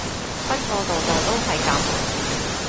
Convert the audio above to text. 不過度度都係噉